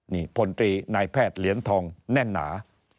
นี่พลตรีนายแพทย์เหรียญทองแน่นหนา